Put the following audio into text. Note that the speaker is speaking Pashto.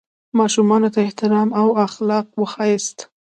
ماشومانو ته احترام او اخلاق وښیاست.